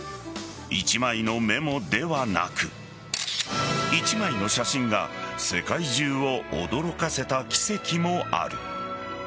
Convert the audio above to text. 一枚のメモではなく一枚の写真が世界中を驚かせた奇跡もある。